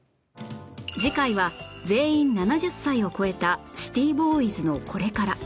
次回は全員７０歳を超えたシティボーイズのこれから